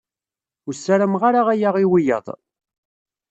Ur ssarameɣ ara aya i wiyad.